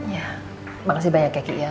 ya terima kasih banyak kiki ya